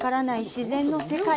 自然の世界。